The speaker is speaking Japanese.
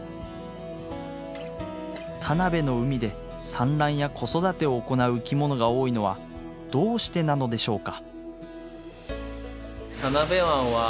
田辺の海で産卵や子育てを行う生き物が多いのはどうしてなのでしょうか？